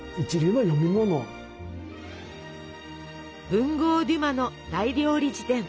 文豪デュマの「大料理事典」。